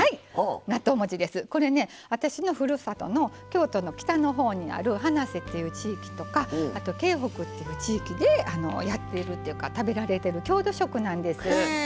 これね私のふるさとの京都の北の方にある花脊っていう地域とかあと京北っていう地域でやっているというか食べられている郷土食なんです。